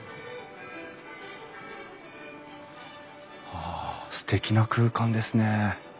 わあすてきな空間ですね。